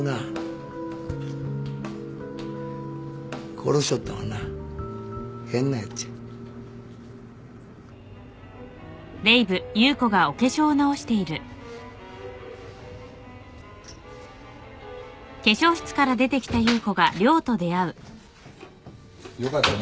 殺しよったんはな変なやっちゃ。よかったね。